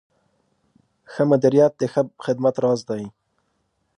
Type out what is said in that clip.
ښه مدیریت د ښه خدمت راز دی.